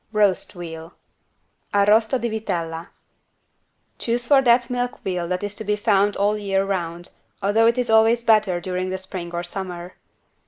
129 ROAST VEAL (Arrosto di vitella) Choose for that milk veal that is to be found all the year round, although it is always better during the spring or summer.